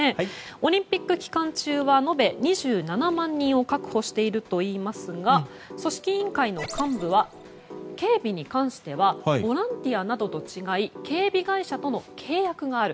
オリンピック期間中は延べ２７万人を確保しているといいますが組織委員会の幹部は警備に関してはボランティアなどと違い警備会社との契約がある。